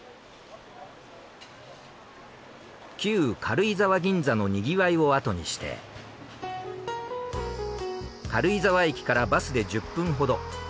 旧軽井沢銀座のにぎわいをあとにして軽井沢駅からバスで１０分ほど。